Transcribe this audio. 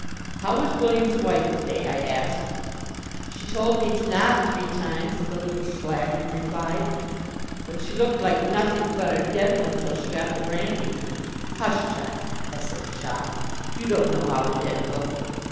"How is William's wife to day?" I asked. "She told me to nod three times," the little slattern replied; "but she looked like nothink but a dead one till she got the brandy." "Hush, child!" I said, shocked. "You don't know how the dead look."